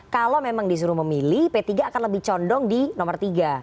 kalau memang disuruh memilih p tiga akan lebih condong di nomor tiga